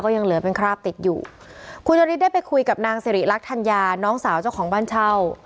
ยังเหลือเป็นคราบติดอยู่คุณจริตได้ไปคุยกับนางสิริรักษัญญาน้องสาวเจ้าของบ้านเช่า